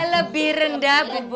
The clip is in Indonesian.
lebih rendah bu bos